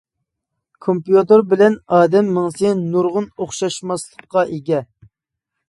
كومپيۇتېر بىلەن ئادەم مېڭىسى نۇرغۇن ئوخشاشماسلىققا ئىگە.